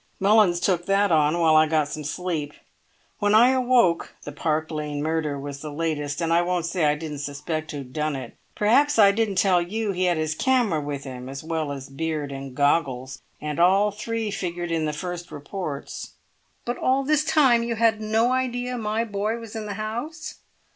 Mullins took that on while I got some sleep; when I awoke the Park Lane murder was the latest, and I won't say I didn't suspect who'd done it. Perhaps I didn't tell you he had his camera with him as well as beard and goggles, and all three figured in the first reports." "But all this time you had no idea my boy was in the house?"